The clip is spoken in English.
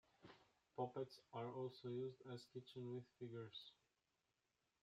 Poppets are also used as kitchen witch figures.